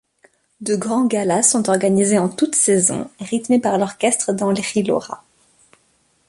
De grands galas sont organisés en toutes saisons, rythmés par l'orchestre d'Henry Laura.